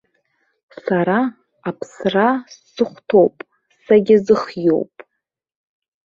Сара аԥсра сыхәҭоуп, сагьазыхиоуп.